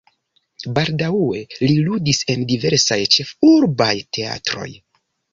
Baldaŭe li ludis en diversaj ĉefurbaj teatroj.